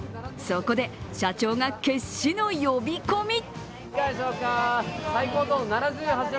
そこで社長が決死の呼び込み。